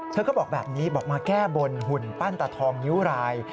เธอก็บอกแบบนี้บอกมาแก้บนหุ่นปั้นตาทองนิ้วราย